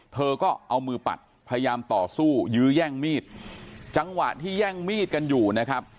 เธอก็เอามือปัดพยายามต่อสู้ยื้อแย่งมีดจังหวะที่แย่งมีดกันอยู่นะครับ